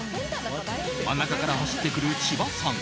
真ん中から走ってくる千葉さん。